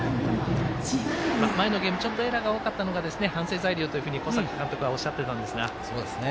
前のゲーム、ちょっとエラーが多かったのが反省材料と小坂監督おっしゃっていましたが。